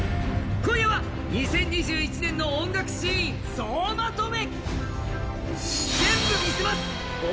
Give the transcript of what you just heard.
今夜は、２０２１年の音楽シーン総まとめ。